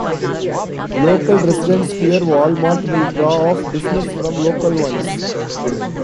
Local residents fear WalMart will draw off business from local ones.